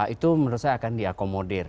itu menurut saya akan diakomodir